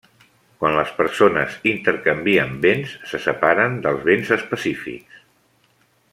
Quan les persones intercanvien béns, se separen dels béns específics.